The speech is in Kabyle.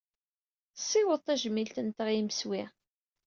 Ssiweḍ tajmilt-nteɣ i yimsewwi.